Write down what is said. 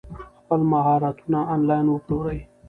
خپل مهارتونه انلاین وپلورئ.